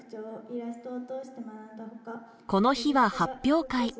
この日は発表会。